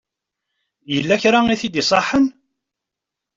Yella kra i t-id-iṣaḥen?